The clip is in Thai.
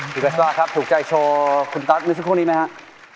พี่กัสต้าครับถูกใจโชว์คุณตั๊กมือซักคนี้ไหมฮะ